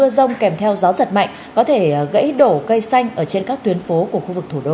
mưa rông kèm theo gió giật mạnh có thể gãy đổ cây xanh ở trên các tuyến phố của khu vực thủ đô